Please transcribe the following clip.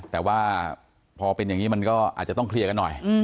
แต่ว่าพอเป็นอย่างนี้มันก็อาจจะต้องเคลียร์กันหน่อย